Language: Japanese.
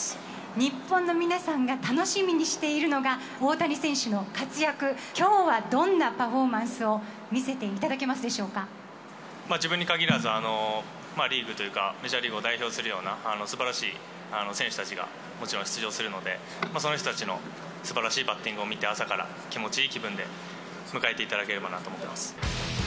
日本の皆さんが楽しみにしているのが、大谷選手の活躍、きょうはどんなパフォーマンスを自分に限らず、リーグというか、メジャーリーグを代表するようなすばらしい選手たちがもちろん出場するので、その人たちのすばらしいバッティングを見て、朝から気持ちいい気分で、迎えていただければなと思ってます。